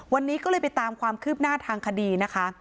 วันนี้ก็เลยไปตามความคืบหน้าทางคดีนะคะ